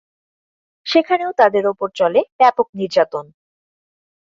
সেখানেও তাদের ওপর চলে ব্যাপক নির্যাতন।